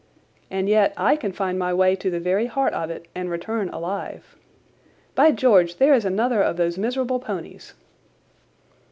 And yet I can find my way to the very heart of it and return alive. By George, there is another of those miserable ponies!"